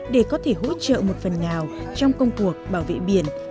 để có thể hỗ trợ một phần nào trong công cuộc bảo vệ biển